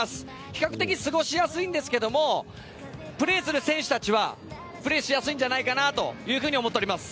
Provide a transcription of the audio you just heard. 比較的過ごしやすいんですがプレーする選手たちはプレーしやすいんじゃないかなと思っております。